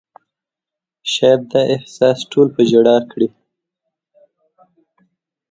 شاید دا احساس ټول په ژړا کړي وو.